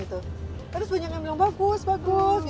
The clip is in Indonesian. terus banyak yang bilang bagus bagus